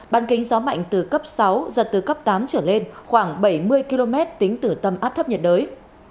ban kính gió mạnh từ cấp sáu giật từ cấp tám trở lên khoảng bảy mươi km tính từ tâm áp thấp nhiệt đới